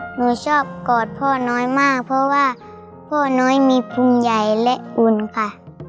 หนูชอบกอดพ่อน้อยมากเพราะว่าพ่อน้อยมีภูมิใหญ่และอุ่นค่ะ